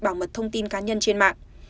bảo mật thông tin cá nhân trên mạng